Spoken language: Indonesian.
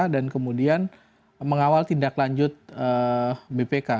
dan kemudian mengawal tindak lanjut bpk